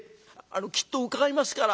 「きっと伺いますから。